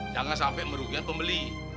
jangan sampai merugikan pembeli